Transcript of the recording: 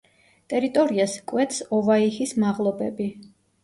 ტერიტორიას კვეთს ოვაიჰის მაღლობები.